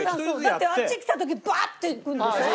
だってあっち来た時バーッていくんでしょ？